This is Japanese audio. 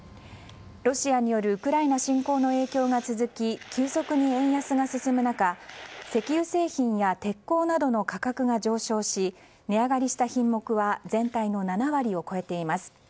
ロシアによるウクライナ侵攻の影響が続き急速に円安が進む中石油製品や鉄鋼などの価格が上昇し値上がりした品目は全体の７割を超えています。